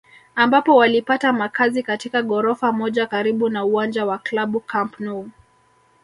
ambapo walipata makazi katika ghorofa moja karibu na uwanja wa klabu Camp Nou